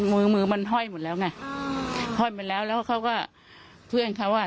มือมือมันห้อยหมดแล้วไงห้อยหมดแล้วแล้วเขาก็เพื่อนเขาอ่ะ